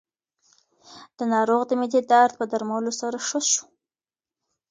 د ناروغ د معدې درد په درملو سره ښه شو.